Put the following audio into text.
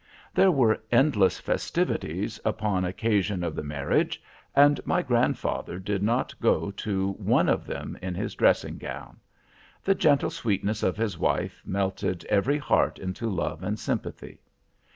"There were endless festivities upon occasion of the marriage; and my grandfather did not go to one of them in his dressing gown. The gentle sweetness of his wife melted every heart into love and sympathy.